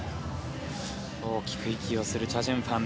大きく息をするチャ・ジュンファン。